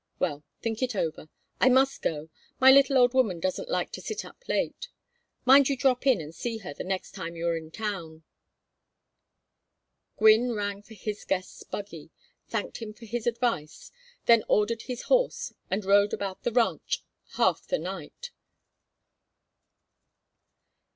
Well, think it over. I must go. My little old woman doesn't like to sit up late. Mind you drop in and see her the next time you are in town." Gwynne rang for his guest's buggy, thanked him for his advice; then ordered his horse and rode about the ranch half the night.